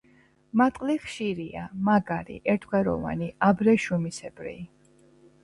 მატყლი ხშირია, მაგარი, ერთგვაროვანი, აბრეშუმისებრი.